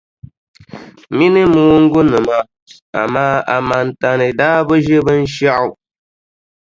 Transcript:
Mini mooŋgunima amaa Amantani daa bi ʒi binshɛɣu.